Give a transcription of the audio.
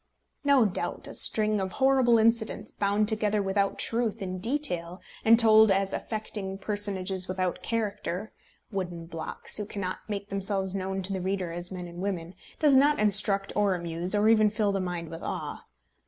No doubt, a string of horrible incidents, bound together without truth in detail, and told as affecting personages without character, wooden blocks, who cannot make themselves known to the reader as men and women, does not instruct or amuse, or even fill the mind with awe.